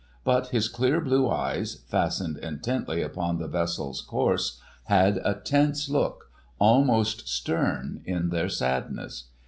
But his clear blue eyes, fastened intently upon the vessel's course, had a tense look, almost stern in their sadness.